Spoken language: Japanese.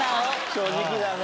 正直だね。